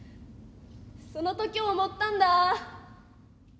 その時思ったんだ。